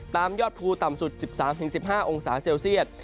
ตามยอดภูมิต่ำสุด๑๓๑๕องศาเซียต